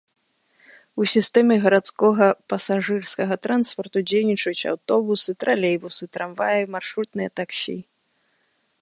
У сістэме гарадскога пасажырскага транспарту дзейнічаюць аўтобусы, тралейбусы, трамваі, маршрутныя таксі.